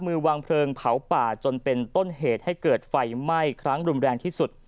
วางเพลิงเผาป่าจนเป็นต้นเหตุให้เกิดไฟไหม้ครั้งรุนแรงที่สุด